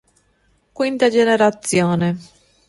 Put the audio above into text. Quinta generazione